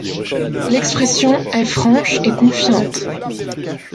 L'expression est franche et confiante.